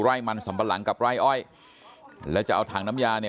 ไร่มันสัมปะหลังกับไร่อ้อยแล้วจะเอาถังน้ำยาเนี่ย